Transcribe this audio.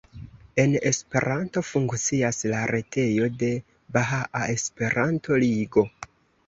En Esperanto funkcias la retejo de Bahaa Esperanto-Ligo.